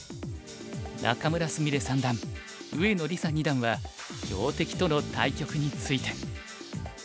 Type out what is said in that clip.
仲邑菫三段上野梨紗二段は強敵との対局について。